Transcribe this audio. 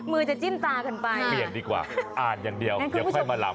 มือจะจิ้มตากันไปเปลี่ยนดีกว่าอ่านอย่างเดียวเดี๋ยวค่อยมาลำ